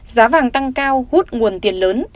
giá vàng tăng cao hút nguồn tiền lớn